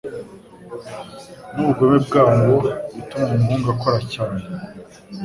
Nubugome bwabo gutuma umuhungu akora cyane.